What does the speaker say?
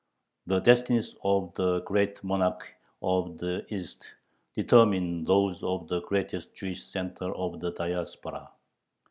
The destinies of the great monarchy of the East determined those of the greatest Jewish center of the Diaspora.